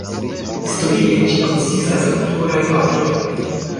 Historie ĝi konsistas el pluraj partoj.